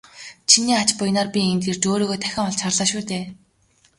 Чиний ач буянаар би энд ирж өөрийгөө дахин олж харлаа шүү дээ.